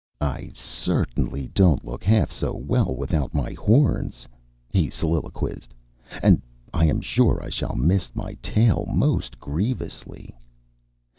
"I certainly don't look half so well without my horns," he soliloquized, "and I am sure I shall miss my tail most grievously."